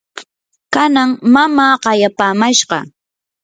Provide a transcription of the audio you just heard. kanan mamaa qayapamashqa